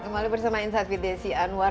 kembali bersama insight with desi anwar